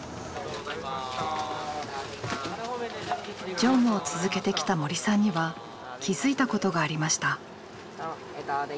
乗務を続けてきた森さんには気付いたことがありました。